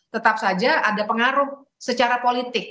tetap saja ada pengaruh secara politik